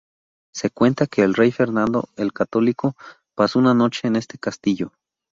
Se cuenta que el rey Fernando el Católico pasó una noche en este castillo.